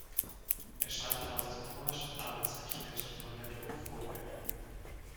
Er stammte aus dem pommerschen Adelsgeschlecht von Lettow-Vorbeck.